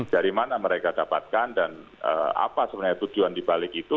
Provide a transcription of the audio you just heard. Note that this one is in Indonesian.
dari mana mereka dapatkan dan apa sebenarnya tujuan dibalik itu